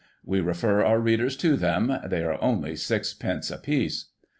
We refer our readers to them — they are only sixpence apiece.